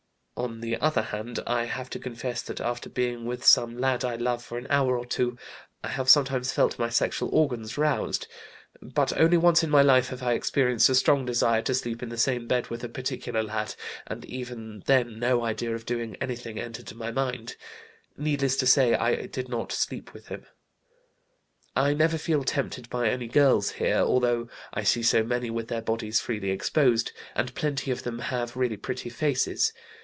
On the other hand, I have to confess that after being with some lad I love for an hour or two, I have sometimes felt my sexual organs roused. But only once in my life have I experienced a strong desire to sleep in the same bed with a particular lad, and even then no idea of doing anything entered my mind. Needless to say, I did not sleep with him. "I never feel tempted by any girls here, although I see so many with their bodies freely exposed, and plenty of them have really pretty faces.